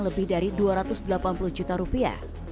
lebih dari dua ratus delapan puluh juta rupiah